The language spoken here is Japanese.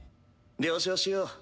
了承しよう。